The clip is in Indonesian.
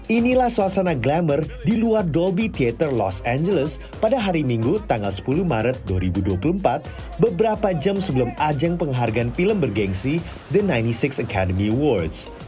inilah suasana glamour di luar doby theater los angeles pada hari minggu tanggal sepuluh maret dua ribu dua puluh empat beberapa jam sebelum ajang penghargaan film bergensi the sembilan puluh enam academy awards